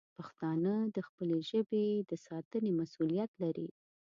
پښتانه د خپلې ژبې د ساتنې مسوولیت لري.